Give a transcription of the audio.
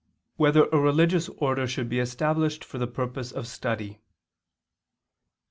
5] Whether a Religious Order Should Be Established for the Purpose of Study?